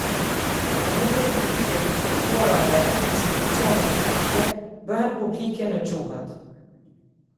Dokumentet publike të publikuara nga vetë institucionet publike, bëhen publike në gjuhët.